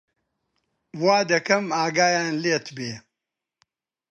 وا دەکەم ئاگایان لێت بێ